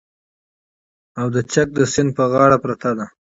او د چک د سیند په غاړه پرته ده